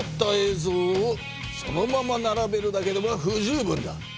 ぞうをそのままならべるだけでは不十分だ。